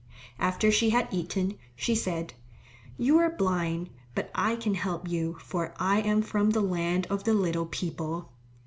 After she had eaten, she said, "You are blind, but I can help you, for I am from the Land of the Little People.